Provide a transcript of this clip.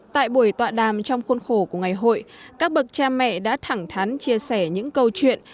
tại buổi tọa đàm trong khuôn khổ của ngày hội các bậc cha mẹ đã thẳng thắn chia sẻ những câu chuyện